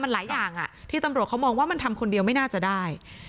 มันหลายอย่างที่ตำรวจเขามองว่ามันทำคนเดียวไม่น่าจะได้